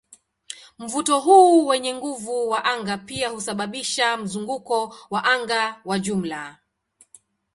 Mvuto huu wenye nguvu wa anga pia husababisha mzunguko wa anga wa jumla.